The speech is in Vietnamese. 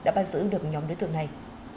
đã bắt giữ được nhóm đối tượng này